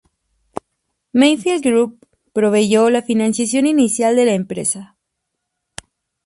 Mayfield Group proveyó la financiación inicial de la empresa.